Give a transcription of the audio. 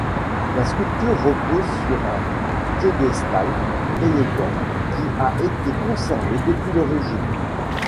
La sculpture repose sur un piédestal élégant qui a été conservé depuis l’origine.